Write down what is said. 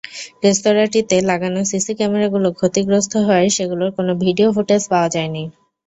রেস্তোরাঁটিতে লাগানো সিসি ক্যামেরাগুলো ক্ষতিগ্রস্ত হওয়ায় সেগুলোর কোনো ভিডিও ফুটেজ পাওয়া যায়নি।